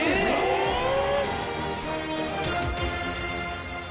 えっ！？